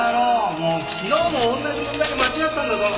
もう昨日も同じ問題を間違ったんだぞ。